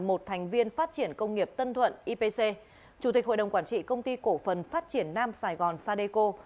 một thành viên phát triển công nghiệp tân thuận ipc chủ tịch hội đồng quản trị công ty cổ phần phát triển nam sài gòn sadeco